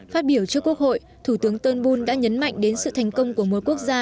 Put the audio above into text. phát biểu trước quốc hội thủ tướng turnbul đã nhấn mạnh đến sự thành công của một quốc gia